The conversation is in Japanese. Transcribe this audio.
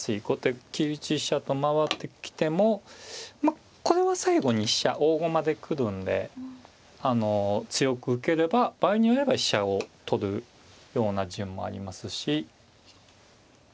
後手９一飛車と回ってきてもまあこれは最後に飛車大駒で来るんで強く受ければ場合によれば飛車を取るような順もありますし。